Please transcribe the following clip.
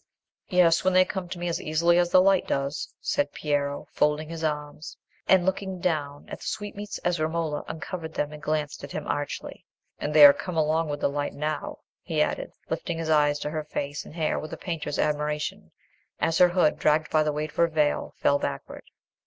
"Yes, when they come to me as easily as the light does," said Piero, folding his arms and looking down at the sweetmeats as Romola uncovered them and glanced at him archly. "And they are come along with the light now," he added, lifting his eyes to her face and hair with a painter's admiration, as her hood, dragged by the weight of her veil, fell backward.